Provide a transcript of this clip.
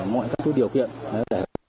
mọi các điều kiện để toàn tất cả những cái